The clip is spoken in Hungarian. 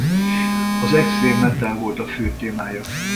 Az extrém metal volt a fő témája.